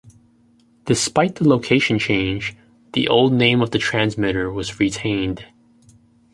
Despite the location change, the old name of the transmitter was retained.